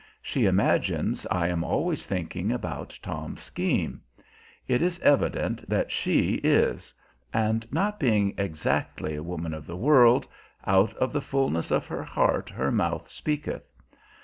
She imagines I am always thinking about Tom's scheme. It is evident that she is; and not being exactly a woman of the world, out of the fullness of her heart her mouth speaketh.